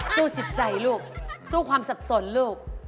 จิตใจลูกสู้ความสับสนลูก